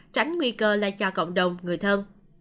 tránh nguy cơ lại cho cộng đồng người thân